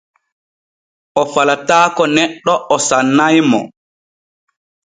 O falataako neɗɗe o sannay mo.